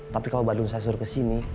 tapi kalau badrun saya suruh kesini